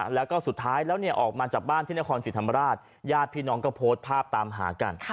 แล้วก็สุดท้ายแล้วออกมาจากบ้านที่นครศรีธรรมราชญาติพี่น้องก็โพสต์ภาพตามหากัน